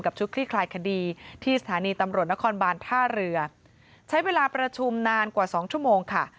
ชุดคลี่คลายคดีที่สถานีตำรวจนครบานท่าเรือใช้เวลาประชุมนานกว่าสองชั่วโมงค่ะ